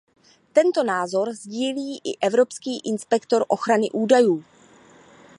Tento názor sdílí i evropský inspektor ochrany údajů.